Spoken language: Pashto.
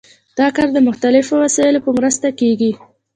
دا کار د مختلفو وسایلو په مرسته کیږي.